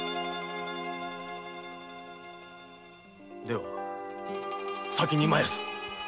では先に参るぞ。